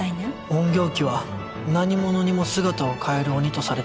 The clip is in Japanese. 隠形鬼は何者にも姿を変える鬼とされてる